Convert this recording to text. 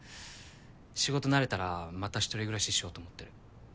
仕事慣れたらまた１人暮らししようと思ってる。